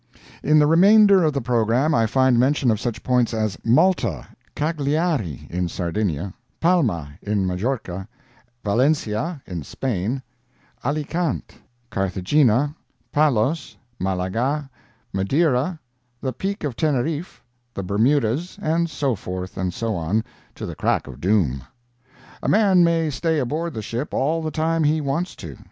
In the remainder of the programme I find mention of such points as Malta, Cagliari (in Sardinia), Palma (in Majorca), Valencia (in Spain), Alicant, Carthagena, Palos, Malaga, Madeira, the Peak of Teneriffe, the Bermudas, and so forth and so on, to the crack of doom. A man may stay aboard the ship all the time if he wants to.